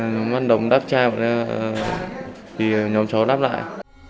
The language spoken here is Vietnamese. nhóm an đồng đáp chai nhóm chó đáp lại